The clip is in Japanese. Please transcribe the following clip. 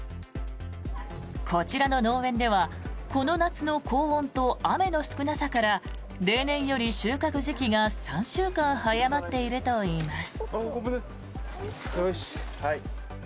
こちらの農園ではこの夏の高温と雨の少なさから例年より、収穫時期が３週間早まっているといいます。